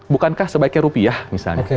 bukankah sebaiknya rupiah misalnya